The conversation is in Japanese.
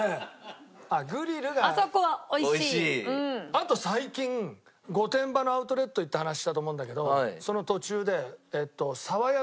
あと最近御殿場のアウトレット行った話したと思うんだけどその途中でさわやか？